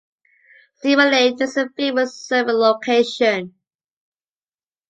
Steamer Lane is a famous surfing location.